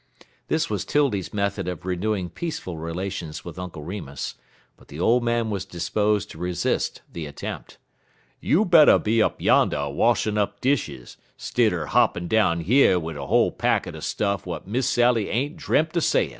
This was 'Tildy's method of renewing peaceful relations with Uncle Remus, but the old man was disposed to resist the attempt. "You better be up yander washin' up dishes, stidder hoppin' down yer wid er whole packet er stuff w'at Miss Sally ain't dreamp er sayin'."